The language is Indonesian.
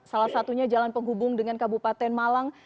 salah satunya jalan penghubung dengan kabupaten malang